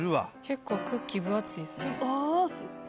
結構クッキー分厚いですね。